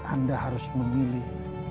anda harus memilih